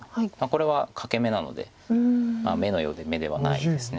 これは欠け眼なので眼のようで眼ではないです。